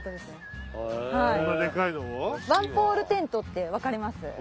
ワンポールテント」って分かります？